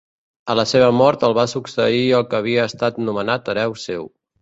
A la seva mort el va succeir el que havia estat nomenat hereu seu.